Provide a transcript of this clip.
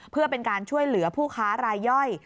เพื่อเป็นการช่วยเหลือผู้ค้ารายย่อย